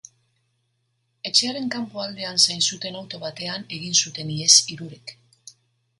Etxearen kanpoaldean zain zuten auto batean egin zuten ihes hirurek.